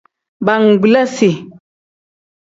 Bangbilasi.